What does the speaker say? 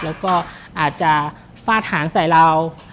แล้วก็อาจจะฟาดหางใส่เรา